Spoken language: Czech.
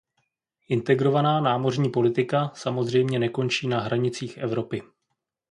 Integrovaná námořní politika samozřejmě nekončí na hranicích Evropy.